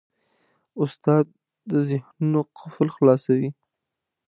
استاد د ذهنونو قفل خلاصوي.